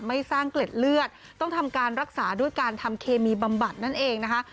สร้างเกล็ดเลือดต้องทำการรักษาด้วยการทำเคมีบำบัดนั่นเองนะคะ